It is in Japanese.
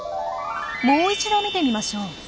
もう一度見てみましょう。